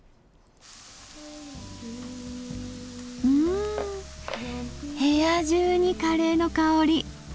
ん部屋中にカレーの香り。